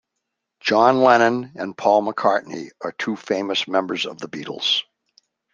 John Lennon and Paul McCartney are two famous members of the Beatles.